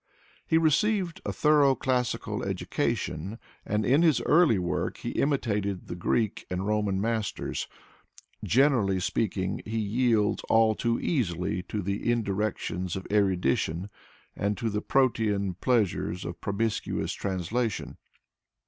He received a thorough classical education and in his early work he imitated the Greek and Roman masters. Generally speaking, he yields all too easily to the indirections of erudition and to the Protean pleasures of promiscuous translation.